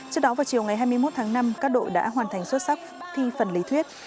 trước đó vào chiều ngày hai mươi một tháng năm các đội đã hoàn thành xuất sắc thi phần lý thuyết